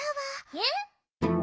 えっ？